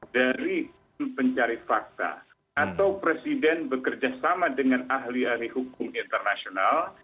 dari pencari fakta atau presiden bekerja sama dengan ahli ahli hukum internasional